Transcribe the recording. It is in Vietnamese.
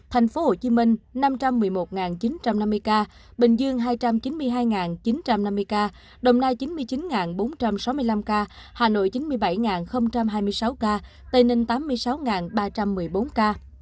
tp hcm năm trăm một mươi một chín trăm năm mươi ca bình dương hai trăm chín mươi hai chín trăm năm mươi ca đồng nai chín mươi chín bốn trăm sáu mươi năm ca hà nội chín mươi bảy hai mươi sáu ca tây ninh tám mươi sáu ba trăm một mươi bốn ca